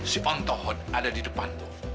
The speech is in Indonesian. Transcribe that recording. si tamat yang ada di depan itu